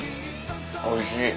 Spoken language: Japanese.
おいしい。